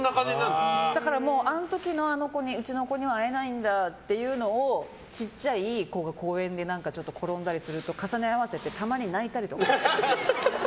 だから、あの時のうちの子には会えないんだっていうのを小さい子が公園で転んだりすると重ね合わせてたまに泣いたりする。